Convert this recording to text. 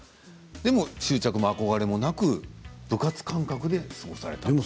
でも執着も憧れもなく部活感覚で過ごされたと。